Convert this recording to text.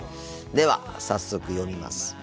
では早速読みます。